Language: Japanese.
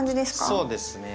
そうですね。